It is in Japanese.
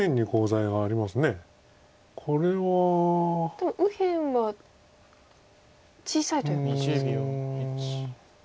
でも右辺は小さいということですか。